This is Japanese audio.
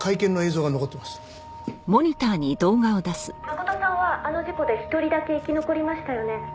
「真琴さんはあの事故で１人だけ生き残りましたよね」